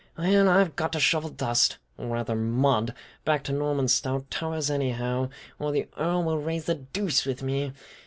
"Well, I've got to shovel dust, or, rather, mud, back to Normanstow Towers, anyhow, or the Earl will raise the deuce with me!